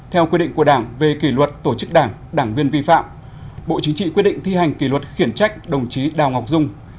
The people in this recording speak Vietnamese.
theo quy định của đảng về kỷ luật tổ chức đảng đảng viên vi phạm bộ chính trị quyết định thi hành kỷ luật khiển trách đồng chí đào ngọc dung